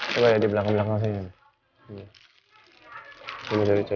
coba di belakang belakang saja